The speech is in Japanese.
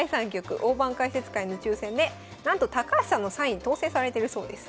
大盤解説会の抽選でなんと高橋さんのサイン当選されてるそうです。